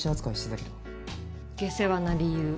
下世話な理由。